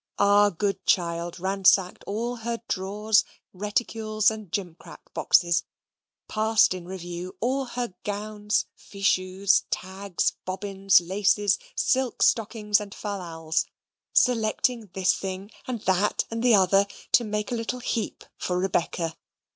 Our good child ransacked all her drawers, cupboards, reticules, and gimcrack boxes passed in review all her gowns, fichus, tags, bobbins, laces, silk stockings, and fallals selecting this thing and that and the other, to make a little heap for Rebecca.